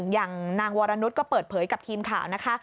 อย่างนางวรนุษย์ก็เปิดเผยกับทีมข่าวนะคะ